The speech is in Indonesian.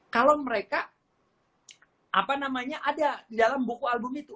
kalau mereka ada di dalam buku album itu